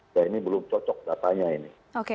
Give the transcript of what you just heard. nah ini belum cocok datanya ini